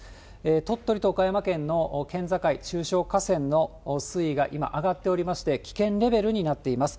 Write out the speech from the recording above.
鳥取と岡山県の県境、中小河川の水位が今、上がっておりまして、危険レベルになっています。